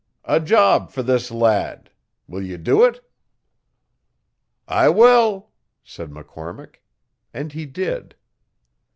'A job for this lad. Wull ye do it?' 'I wall,' said McCormick, and he did.